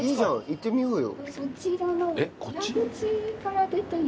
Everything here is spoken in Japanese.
行ってみようよ。